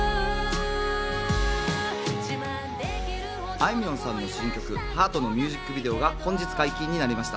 あいみょんさんの新曲『ハート』のミュージックビデオが本日解禁になりました。